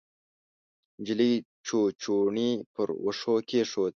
نجلۍ چوچوڼی پر وښو کېښود.